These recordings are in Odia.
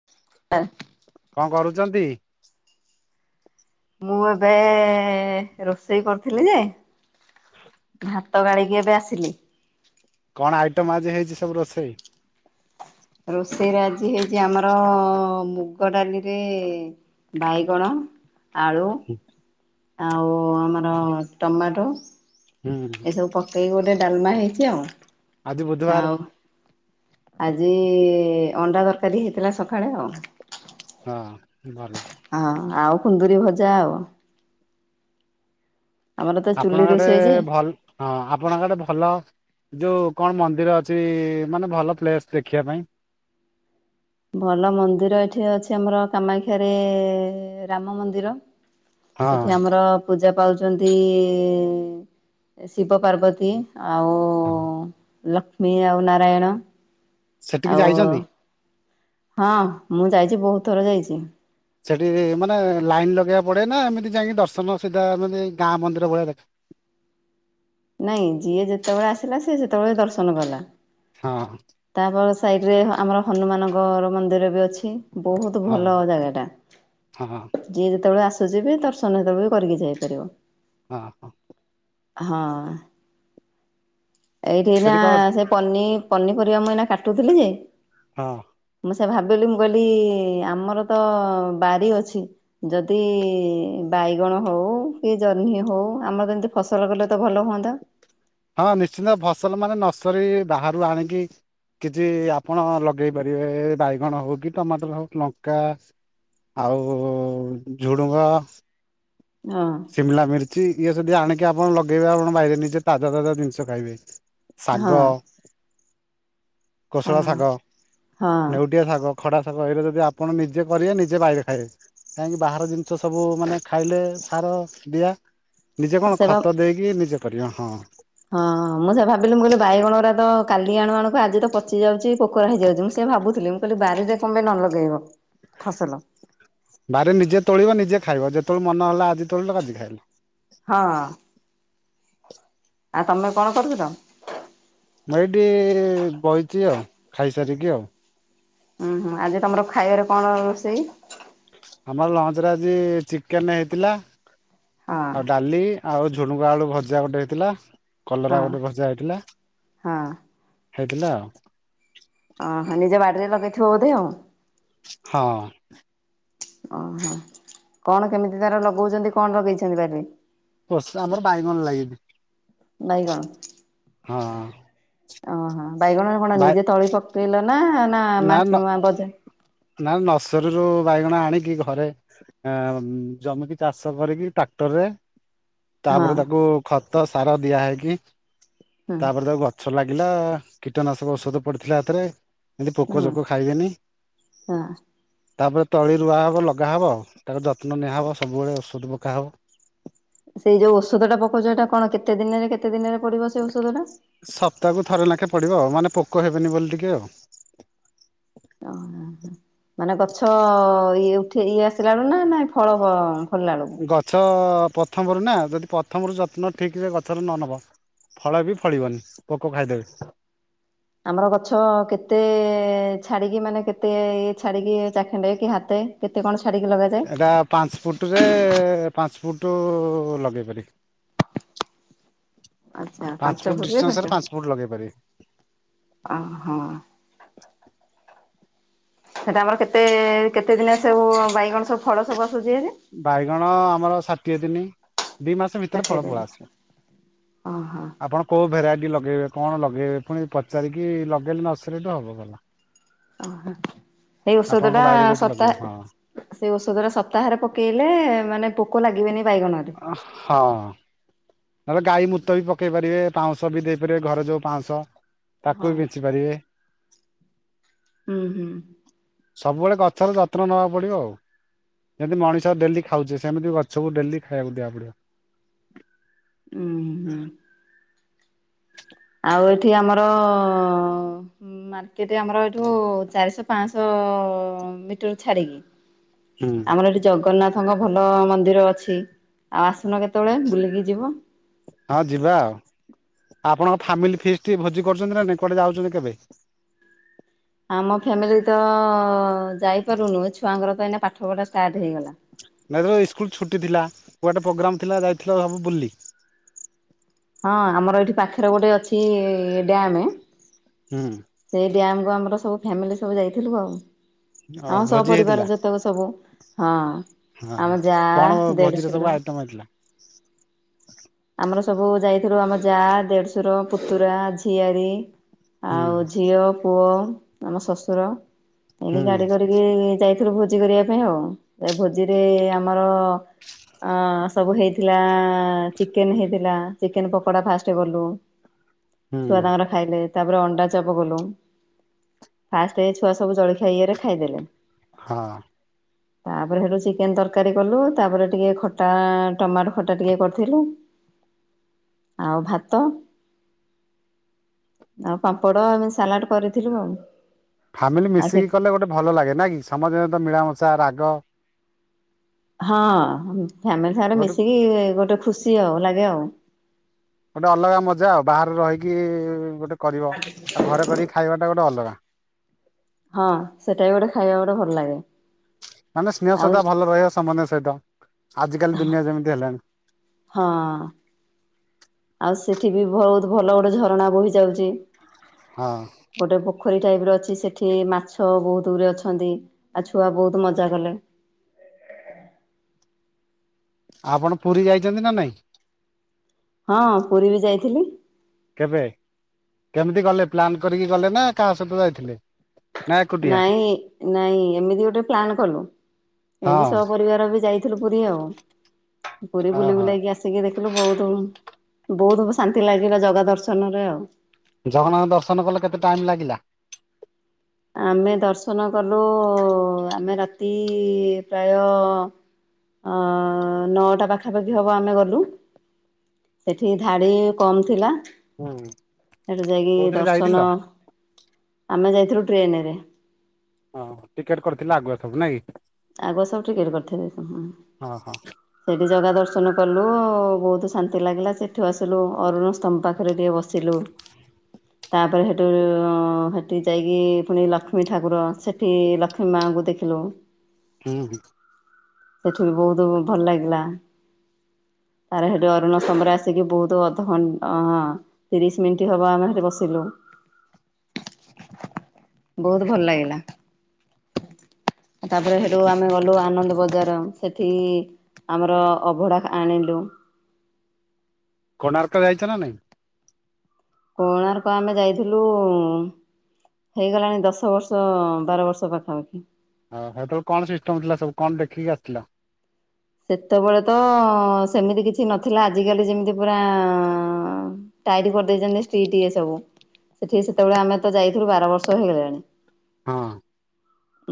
[unintelligible] କଣ କରୁଚନ୍ତି? ମୁଁ ଏବେ ଏ ରୋଷେଇ କରୁଥିଲି ଯେ ଭାତ ଗାଳିକି ଏବେ ଆସିଲି। କଣ ଆଇଟମ୍ ଆଜି ହେଇଚି ସବୁ ରୋଷେଇ? ରୋଷେଇରେ ଆଜି ହେଇଚି ଆମର ମୁଗ ଡାଲିରେ ବାଇଗଣ ଆଳୁ ହୁଁ ଆଉ ଆମର ଟମାଟୋ ହୁଁ ଏସବୁ ପକେଇକି ଗୋଟେ ଡାଲମା ହେଇଚି ଆଉ। ଆଜି ଆଉ ବୁଧବାର ଆଜି ଇ ଅଣ୍ଡା ତରକାରୀ ହେଇଥିଲା ସକାଳେ ଆଉ ହଁ ଭଲ। ହଁ ଆଉ କୁନ୍ଦୁରି ଭଜା ଆଉ। ଆମର ତ ଚୁଲି ଆପଣଙ୍କ ଆଡେ ରୋଷେଇ ଯେ ଭଲ୍ ହଁ ଆପଣଙ୍କ ଆଡେ ଭଲ। ଯୋଉ କଣ ମନ୍ଦିର ଅଛି ମାନେ ଭଲ ପ୍ଲେସ୍ ଦେଖିବା ପାଇଁ? ଭଲ ମନ୍ଦିର ଏଠି ଅଛି ଆମର କାମାକ୍ଷାରେ ରାମ ମନ୍ଦିର। ହଁ ସେଠି ଆମର ପୂଜା ପାଉଛନ୍ତି ଶିବ ପାର୍ବତୀ ଆଉ ହଁ ଲକ୍ଷ୍ମୀ ଆଉ ନାରାୟଣ। ସେଠିକି ଆଉ ଯାଇଛନ୍ତି? ହଁ ମୁଁ ଯାଇଛି ବହୁତ ଥର ଯାଇଛି। ସେଠି ମାନେ ଲାଇନ ଲଗେଇବା ପଡେ ନା ଏମିତି ଯାଇକି ଦର୍ଶନ ସିଧା ଏମିତି ଗାଁ ମନ୍ଦିର ଭଳିଆ ଦେଖେ। ନାଇଁ ଯିଏ ଯେତେବେଳେ ଆସିଲା ସିଏ ସେତେବେଳେ ଦର୍ଶନ କଲା। ହଁ। ତାପ ସାଇଡ଼ରେ ଆମର ହନୁମାନଙ୍କର ମନ୍ଦିର ବି ଅଛି। ବହୁତ ହଁ ଭଲ ଜାଗାଟା। ହଁ ଯିଏ ଯେତେବେଳେ ଆସୁଛିି ବି ଦର୍ଶନ ସେତେବେଳେ ବି କରିକି ଯାଇପାରିବ। ହଁ ହଁ। ହଁ ଏଇଠି ନା ସେଠି କଣ ସେ ପନି ପନି ପରିବା ମୁଁ ଏଇନା କାଟୁଥିଲି ଯେ ହଁ। ମୁଁ ସେ ଭାବିଲି ମୁଁ କହିଲି ଆମର ତ ବାରି ଅଛି। ଯଦି ବାଇଗଣ ହଉ କି ଜହ୍ନି ହଉ ଆମର ଯେମିତି ଫସଲ କଲେ ତ ଭଲ ହୁଅନ୍ତା। ହଁ ନିଶ୍ଚିନ୍ତ ଫସଲ ମାନେ ନର୍ସରୀ ବାହାରୁ ଆଣିକି କିଛି ଆପଣ ଲଗେଇ ପାରିବେ ବାଇଗଣ ହଉ କି ଟମାଟର ହଉ ଲଙ୍କା। ଆଉ ଝୁଡ଼ୁଙ୍ଗ। ହଁ। ସିମଲା ମିରିଚ ଇଏ ଯଦି ଆଣିକି ଆପଣ ଲଗେଇବେ ଆପଣ ବାଇରେ ନିଜେ ତାଜା ତାଜା ଜିନିଷ ଖାଇବେ। ହଁ ଶାଗ ହଁ କୋଶଳା ଶାଗ ହଁ ନେଉ ଗୋଟିଏ ଶାଗ ଖଡା ଶାଗ ଏଇରେ ଯଦି ଆପଣ ନିଜେ କରିବେ ନିଜେ ଵାଇରେ ଖାଇବେ। କାହିଁକି ବାହାର ଜିନିଷ ସବୁ ମାନେ ଖାଇଲେ ସାର ଦିଆ ନିଜେ କଣ ସେ ବା ଖତ ଦେଇକି ନିଜେ କରିବା ହଁ। ହଁ ମୁଁ ସେୟା ଭାବିଲି ମୁଁ କହିଲ ବାଇଗଣରା ତ କାଲି ଆଣୁ ଆଣକୁ ଆଜି ତ ପଚି ଯାଉଛି ପୋଖରା ହେଇଯାଉଛି ମୁଁ ସେ ଭାବୁଥିଲି। କହିଲ ବାରିରେ କମ ପାଇଁ ନ ଲଗେଇବ ଫସଲ। ବାରିରେ ନିଜେ ତୋଳିବ ନିଜେ ଖାଇବ ଯେତେବେଳେ ମନ ହେଲା ଆଜି ତୋଳିଲ ଆଜି ଖାଇଲ। ହଁ। ଆଉ ତମେ କଣ କରୁଥିଲ? ମୁଁ ଏଇଠି ବଇଛି ଆଉ ଖାଇସାରିକି ଆଉ। ଉୁଁ ହୁଁ ଆଜି ତମର ଖାଇବାରେ କଣ ରୋଷେଇ? ଆମର ଲଞ୍ଚରେ ଆଜି ଚିକେନ ହେଇଥିଲା ହଁ ଆଉ ଡାଲି ଆଉ ଝୁଣୁଙ୍ଗ ଆଳୁ ଭଜା ଗୋଟେ ହେଇଥିଲା। ହଁ କଲରା ଗୋଟେ ଭଜା ହେଇଥିଲା। ହଁ ହେଇଥିଲା ଆଉ। ଅହଂ, ନିଜ ବାଡ଼ିରେ ଲଗେଇଥିବ ବୋଧେ ଆଉ। ହଁ। ଓହୋ, କଣ କେମିତି ତାର ଲଗଉଛନ୍ତି କଣ ଲଗେଇଛନ୍ତି ବାରିରେ? ଆମର ବାଇଗଣ ଲାଗଛି, ବାଇଗଣ ହଁ। ଓହୋ ବାଇଗଣରେ କଣ ବାଇ ନିଜେ ତଳି ପକେଇଲ ନା ନା ମା ବଜାର ନା ନର୍ସରୀରୁୁ ବାଇଗଣ ଆଣିକି ଘରେ ଆ ଜମିିକି ଚାଷ କରିକି ଟ୍ରାକ୍ଟରରେ ହଁ ତାପରେ ତାକୁ ଖତ ସାର ଦିଆ ହେଇକି ହୁଁ ତାପରେ ତାକୁ ଗ ଛ ଲାଗିଲା କୀଟନାଶକ ଔଷଧ ପଡ଼ିଥିଲା ଏଥରେ। ଯେମିତି ପୋକ ହଁ ଜୋକ ଖାଇବେନି। ହଁ ତାପରେ ତଳି ରୁଆ ହବ ଲଗା ହବ। ତାକୁ ଯତ୍ନ ନିଆହବ ସବୁବେଳେ ଔଷଧ ପକାହବ। ସେଇ ଯୋଉ ଔଷଧ ଟା ପକଉଚ। ଏଟା କଣ କେତେ ଦିନରେ କେତେ ଦିନରେ ପଡିବ ସେଇ ଔଷଧ ଟା? ସପ୍ତାହକୁ ଥରେ ନାଖେ ପଡ଼ିବ ମାନେ ପୋକ ହେବେନି ବୋଲି ଟିକେ ଆଉ। ଓ ହଁ, ହଁ। ମାନେ ଗଛ ଇଏ ଉଠି ଇଏ ଆସିଲା ବେଳୁ ନା ନାଇ ଫଳ ଫ-ଫଳିଲା ବେଳକୁ? ଗଛ ପ୍ରଥମରୁ ନା ଯଦି ପ୍ରଥମରୁ ଯତ୍ନ ଠିକ ରେ ଗଛର ନ ନବ ଫଳ ବି ଫଳିବନି ପୋକ ଖାଇଦେବେ। ଆମର ଗଛ କେତେ ଛାଡ଼ିକି ମାନେ କେତେ ଇଏ ଛାଡିକି ଚାଖେଣ୍ଡେ କି ହାତେ କେତେ କଣ ଛାଡ଼ିକି ଲଗା ଏଟା ପାଞ୍ଚ ଫୁଟ୍ ରେ ପାଞ୍ଚ ଫୁଟୁ ଲଗେଇ ପାରିବି। ଆଚ୍ଛା ପାଞ୍ଚ ଫୁଟ୍ ଫୁଟରେ ଡିଷ୍ଟାନ୍ସ ରେ ପାଞ୍ଚ ଫୁଟ୍ ଲଗେଇ ପାରିବେ। ଓ ହଁ। ସେଟା ଆମର କେତେ କେତେ ଦିନେ ସବୁ ବାଇଗଣ ସବୁ ଫଳ ସବୁ ଆସୁଛି ଭାରି? ବାଇଗଣ ଆମର ଷାଠିଏ ଦିନି। ଦି ମାସ ଭିତରେ ଫଳ ଦେଖେଇଦେବି। ପଳି ଆସିବ। ଓହୋ। ଆପଣ କୋଉ ଭେରାଇଟି ଲଗେଇବେ? କଣ ଲଗେଇବେ? ପୁଣି ପଚାରିକି ଲଗେଇଲେ ନର୍ସରୀ ଠୁ ହବ ଭଲ। ଓହୋ, ସେଇ ଔଷଧ ଆପଣଙ୍କ ଟା ବାଇରେ ଯଦି ଲଗେଇବେ ହଁ। ସତାହା ସେଇ ଔଷଧ ଟା ସପ୍ତାହରେ ପକେଇଲେ ମାନେ ପୋକ ଲାଗିବେନି ବାଇଗଣ ରେ। ଓ ହଁ। ନହେଲେ ଗାଈ ମୂତ ବି ପକେଇ ପାରିବେ, ପାଉଁଶ ବି ଦେଇପାରିବେ, ଘରେ ଯୋଉ ପାଉଁଶ ହଁ ତାକୁ ବି ବିଞ୍ଚି ପାରିବେ। ଉଁ, ହୁଁ। ସବୁବେଳେ ଗଛର ଯତ୍ନ ନବାକୁ ପଡ଼ିବ ଆଉ। ଯେମିତି ମଣିଷ ଡେଲି ଖାଉଚେ। ସେମିତି ଗଛକୁ ଡେଲି ଖାଇବାକୁ ଦିଆ ପଡିବ। ଉଁ, ହୁଁ। ଆଉ ଏଠି ଆମର ଉଁ, ମାର୍କେଟ୍ ଆମର ଏଠୁ ଚାରିଶହ ପାଁଶହ ମିଟର୍ ଛାଡ଼ିକି। ହୁଁ ଆମର ଏଠି ଜଗନ୍ନାଥଙ୍କ ଭଲ ମନ୍ଦିର ଅଛି ଆଉ ଆସୁନ କେତେବେଳେ ବୁଲିକି ଯିବ। ହଁ ଯିବା ଆଉ ଆପଣଙ୍କ ଫାମିଲି ଫିଷ୍ଟ ଭୋଜି କରୁଛନ୍ତି ନା ନାଇ? କୁଆଡେ ଯାଉଛନ୍ତି କେବେ? ଆମ ଫ୍ୟାମିଲି ତ ଯାଇପାରୁନୁ ଛୁଆଙ୍କର ତ ଏଇନା ପାଠ ପଢା ଷ୍ଟାର୍ଟ ହେଇଗଲା। ନାଇ ଧର ଇସ୍କୁଲ୍ ଛୁଟି ଥିଲା କୁଆଡେ ପ୍ରୋଗ୍ରାମ୍ ଥିଲା ଯାଇଥିଲ ସବୁ ବୁଲି? ହଁ ଆମର ଏଇଠି ପାଖରେ ଗୋଟେ ଅଛି ଡ୍ୟାମେ ହୁଁ। ସେଇ ଡ୍ୟାମ୍ କୁ ଆମର ସବୁ ଫ୍ୟାମିଲି ସବୁ ଯାଇଥିଲୁ ଆଉ। ଆଉ ଆମ ଭୋଜି ସପରିବାର ହେଇଥିଲା ଯେତେକ ସବୁ। ହଁ, ହଁ ଆମ ଯା କଣ ଭୋଜିରେ ସବୁ ଦେଢଶୁର। ଆଇଟମ ହେଇଥିଲା ଆମର ସବୁ ଯାଇଥିଲୁ ଆମ ଯା, ଦେଢଶର, ପୁତୁରା, ଝିଆରୀ ହୁଁ ଆଉ ଝିଅ ପୁଅ ଆମ ଶଶୁର ଏମିତି ହୁଁ ଗାଡ଼ି କରିକି ଯାଇ ଥିଲୁ ଭୋଜି କରିବା ପାଇଁ ଆଉ। ଏ ଭୋଜିରେ ଆମର ଓ ସବୁ ହେଇଥିଲା ଆ, ଚିକେନ୍ ହେଇଥିଲା, ଚିକେନ୍ ପକୋଡା ଫାଷ୍ଟ କଲୁ। ହୁଁ ଛୁଆ ତାଙ୍କର ଖାଇଲେ ତାପରେ ଅଣ୍ଡା ଚପ୍ କଲୁ। ଫାଷ୍ଟ ଏ ଛୁଆ ସବୁ ଜଳଖିଆ ଇଏରେ ଖାଇଦେଲେ। ହଁ। ତାପରେ ସେଠୁ ଚିକେନ୍ ତରକାରୀ କଲୁ ତାପରେ ଟିକେ ଖଟା ଟମାଟୋ ଖଟା ଟିକେ କରିଥିଲୁ। ଆଉ ଭାତ। ଆଉ ପାମ୍ପଡ ଆମେ ସାଲାଡ କରିଥିଲୁ ଆଉ। ଫାମିଲି ଆଉ ମିଶିକି ସେଠି କଲେ ଗୋଟେ ଭଲ ଲାଗେ ନା କି ସମସ୍ତଙ୍କ ସହିତ ମିଳାମଶା ରାଗ ହଁ, ଫ୍ୟାମିଲି ସାରେ ଗୋଟେ ମିଶିକି ଗୋଟେ ଖୁସି ଆଉ ଲାଗେ ଆଉ। ଗୋଟେ ଅଲଗା ମଜା ଆଉ। ବାହାରେ ରହିକି ଗୋଟେ କରିବ, ଆଉ ଘରେ କରିକି ଖାଇବାଟା ଗୋଟେ ଅଲଗା। ହଁ, ସେଟା ବି ଗୋଟେ ଖାଇବା ଗୋଟେ ଭଲ ଲାଗେ। ମାନେ ସ୍ନେହ ଆଉ ଶ୍ରଦ୍ଧା ଭଲ ରହିବା ସମ୍ବନ୍ଧ ସହିତ, ଆଜିକାଲି ଦୁନିଆ ଯେମିତି ହେଲାଣି। ହଁ। ଆଉ ସେଠି ବି ବହୁତ ଭଲ ଗୋଟେ ଝରଣା ବୋହି ଯାଉଛି। ହଁ। ଗୋଟେ ପୋଖରୀ ଟାଇପ୍ ର ଅଛି ସେଠି ମାଛ ବହୁତ ଦୂରେ ଅଛନ୍ତି ଆଉ ଛୁଆ ବହୁତ ମଜା କଲେ। ଆପଣ ପୁରୀ ଯାଇଛନ୍ତି ନା ନାଇଁ? ହଁ ପୁରୀ ବି ଯାଇଥିଲି। କେବେ? କେମିତି ଗଲେ? ପ୍ଲାନ୍ କରିକି ଗଲେ ନା କାହା ସହିତ ଯାଇଥିଲେ? ନା ଏକୁଟିଆ? ନାଇଁ ନାଇଁ ଏମିତି ଗୋଟେ ପ୍ଲାନ୍ କଲୁ, ଏମତି ହଁ ସପରିବାର ବି ଯାଇ ଯାଇଥିଲୁ ପୁରୀ ଆଉ। ପୁରୀ ବୁଲି ଓହୋ ବୁଲାକି ଆସ ସେତିକି ଦେଖିଲୁ ବହୁତ, ବହୁତ ଶାନ୍ତି ଲାଗିଲା ଜଗା ଦର୍ଶନ ରେ ଆଉ। ଜଗନ୍ନାଥ ଦର୍ଶନ କଲ କେତେ ଟାଇମ୍ ଲାଗିଲା? ଆମେ ଦର୍ଶନ କଲୁ ଆମେ ରାତି ପ୍ରାୟ ଅ ନଅଟା ପାଖାପାଖି ହବ ଆମେ ଗଲୁ ସେଠି ଧାଡ଼ି କମ୍ ଥିଲା ହୁଁ ସେଠୁ ଯାଇକି କୋଉଥିରେ ଯାଇଥିଲ? ଦର୍ଶନ, ଆମେ ଯାଇଥିଲୁ ଟ୍ରେନ ରେ ହଁ ଟିକେଟ କରିଥିଲେ ଆଗୁଆ ସବୁ ନାଇଁ? ଆଗୁଆ ସବୁ ଟିକେଟ କରିଥିଲେ ସେମାନେ ହଁ ହଁ ସେଇଠି ଜଗା ଦର୍ଶନ କଲୁ, ବହୁତ ଶାନ୍ତି ଲାଗିଲା। ସେଠୁ ଆସିଲୁ ଅରୁଣ ସ୍ତମ୍ଭ ପାଖରେ ଟିକେ ବସିଲୁ। ତାପରେ ହେଠୁ, ହେଠି ଯାଇକି ପୁଣି ଲକ୍ଷ୍ମୀ ଠାକୁର ସେଠି ଲକ୍ଷ୍ମୀ ମାଙ୍କୁ ଦେଖିଲୁ ହୁଁ ହୁଁ। ସେଠୁ ବି ବହୁତ ଭଲ ଲାଗିଲା। ତାର ହେଠୁ ଅରୁଣ ସ୍ତମ୍ଭରେ ଆସିକି ବହୁତ ଅଧଘଣ୍ଟ, ହଁ ତିରିଶ ମିନିଟ୍ ହବ ଆମେ ସେଠି ବସିଲୁ। ବହୁତ ଭଲ ଲାଗିଲା। ତାରେ ହେଠୁ ଆମେ ଗଲୁ ଆନନ୍ଦ ବଜାର, ସେଠି ଆମର ଅଭଢ଼ା ଆଣିଲୁ। କୋଣାର୍କ ଯାଇଛ ନା ନାଇଁ? କୋଣାର୍କ ଆମେ ଯାଇଥିଲୁ ହେଇଗଲାଣି ଦଶ ବର୍ଷ ବାର ବର୍ଷ ପାଖାପାଖି। ହଉ ହେଟୁ କଣ ସିଷ୍ଟମ୍ ଥିଲା ସବୁ କଣ ଦେଖିକି ଆସିଥିଲ? ସେତେବେଳେ ତ ସେମିତି କିଛି ନଥିଲା, ଆଜିିକାଲି ଯେମିତି ପୁରା ଟାଇଟ୍ କରିଦେଇଛନ୍ତି ଷ୍ଟ୍ରିଟ ଏ ସବୁ, ସେଠି ସେତେବେଳେ ଆମେ ତ ଯାଇଥିଲୁ ବାର ବର୍ଷ ହେଇଗଲାଣି। ହଁ।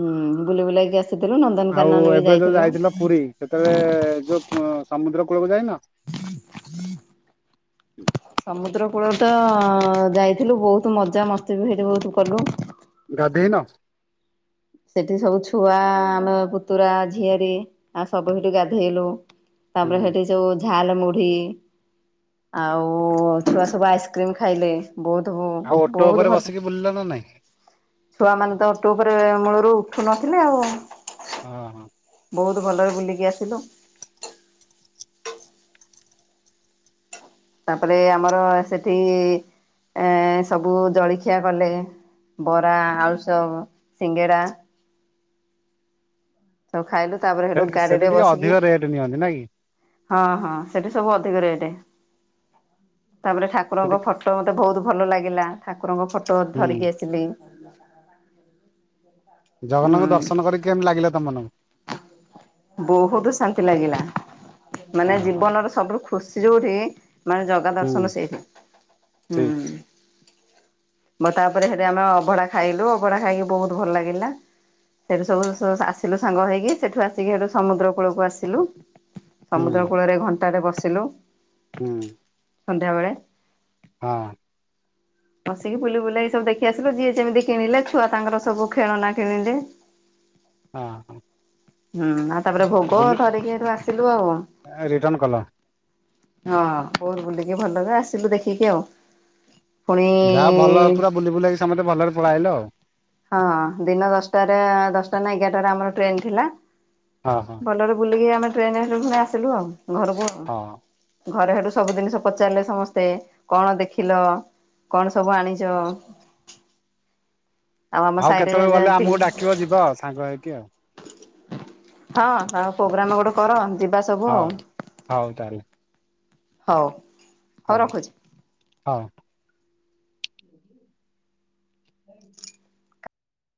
ଉୁଁ ବୁଲି ବୁଲାକି ଆସିଥିଲୁ ଆଉ ନନ୍ଦନକାନନ ବି ଏବେ ଯୋଉ ଯାଇଥିଲୁ। ଯାଇଥିଲ ପୁରୀ ସେତେବେଳେ ଯୋଉ ସମୁଦ୍ର କୂଳକୁ ଯାଇନ? ସମୁଦ୍ର କୂଳରେ ତ ଯାଇଥିଲୁ ବହୁତ ମଜା ମସ୍ତି ବି ହେଠି ବହୁତ କଲୁ। ଗାଧେଇନ? ସେଠି ସବୁ ଛୁଆ ଆମେ ପୁତୁରା ଝିଆରୀ ଆ ସବୁ ସେଠି ଗାଧେଇଲୁ। ହୁଁ ତାପରେ ହେଠି ଯୋଉ ଝାଲ ମୁଢ଼ି ଆଉ ଛୁଆ ସବୁ ଆଇସ୍କ୍ରିମ୍ ଖାଇଲେ। ବହୁତ ଆଉ ଓଟୋ ବହୁତ ଉପରେ ଭଲ ବସିକି ବୁଲିଲନା ନାଇଁ? ଛୁଆମାନେ ତ ଓଟୋ ଉପରେ ମୂଳରୁ ଉଠୁ ନଥିଲେ ଆଉ। ହଁ ହଁ। ବହୁତ ଭଲରେ ବୁଲିକି ଆସିଲୁ। ତାପରେ ଆମର ସେଠି ଏ ସବୁ ଜଳଖିଆ କଲେ ବରା ଆଳୁଚପ୍ ସିଙ୍ଗେଡ଼ା ସବୁ ଖାଇଲୁ ତାପରେ ହେଟୁ ସେଠି ଗାଡିରେ ଟିକେ ବସିକି ଅଧିକ ରେଟ୍ ନିଅନ୍ତି ନାଇଁ କି? ହଁ ହଁ ସେଠି ସବୁ ଅଧିକ ରେଟେ ତାପରେ ସେଠି ଠାକୁରଙ୍କ ଫଟ ଫଟୋ ମୋତେ ବହୁତ ଭଲ ଲାଗିଲା ଠାକୁରଙ୍କ ଫଟୋ ହୁଁ ଧରିକି ଆସିଲି ଜଗନ୍ନାଥଙ୍କୁ ହୁଁ ଦର୍ଶନ କରିକି କେମିତି ଲାଗିଲା ତମମାନଙ୍କୁ? ବହୁତ ଶାନ୍ତି ଲାଗିଲା ମାନେ ହଁ ଜୀବନର ସବୁଠୁ ଖୁସି ଯୋଉଠି ମାନେ ଜଗା ହୁଁ ଦର୍ଶନ ସେଇଠି ହୁଁ ଠିକ ମ ତାପରେ ହେଟି ଆମେ ଅଭଢା ଖାଇଲୁ ଅଭଢା ଖାଇକି ବହୁତ ଭଲ ଲାଗିଲା। ସେଠୁ ସବୁ ସ ଆସିଲୁ ସାଙ୍ଗ ହେଇକି ସେଠୁ ଆସିକି ସେଠୁ ସମୁଦ୍ର କୂଳକୁ ଆସିଲୁ ହୁଁ ସମୁଦ୍ର କୂଳରେ ଘଣ୍ଟାଟେ ବସିଲୁ ହୁଁ। ସନ୍ଧ୍ୟାବେଳେ ହଁ। ବସିକି ବୁଲି ବୁଲାକି ସବୁ ଦେଖି ଆସିଲୁ। ଯିଏ ଯେମିତି କିଣିଲେ ଛୁଆ ତାଙ୍କର ସବୁ ଖେଳନା କିଣିଲେ। ହଁ ହ। ହୁଁ ଆଉ ତାପରେ ଭୋଗ ଧରିକି ହେଠୁ ଆସିଲୁ ଆଉ। ରିଟର୍ଣ କଲ ହଁ ବହୁତ୍ ବୁଲିକି ଭଲରେ ଆସିଲୁ ଦେଖିକି ଆଉ। ପୁଣି ଯାହା ଭଲ ପୁରା ବୁଲି ବୁଲାକି ସମସ୍ତେ ଭଲରେ ପଳେଇଆଇଲ ଆଉ। ହଁ ଦିନ ଦଶଟାରେ ଦଶଟା ନା ଏଗାରଟାରେ ଆମର ଟ୍ରେନ ଥିଲା ହଁ ହଁ। ଭଲରେ ବୁଲିକି ଆମେ ଟ୍ରେନରେ ହେଠୁ ପୁଣି ଆସିଲୁ ଆଉ ଘରକୁ ହଁ ଆଉ। ଘରେ ହେଠୁ ସବୁ ଜିନିଷ ପଚାରିଲେ ସମସ୍ତେ କଣ ଦେଖିଲ କଣ ସବୁ ଆଣିଛ? ଆମ ଆଉ ସାହିରେ କେତେବେଳେ ଗଲେ ଆମକୁ ହଁ ଡାକିବ ଯିବ ସାଙ୍ଗ ହେଇକି ଆଉ। ହଁ ହ ପ୍ରୋଗ୍ରାମ ଗୋଟେ କର ଯିବା ଶ୍ ହଁ ହଉ ତାହାଲେ ହଉ। ହଁ ହଉ ରଖୁଛି। ହଁ।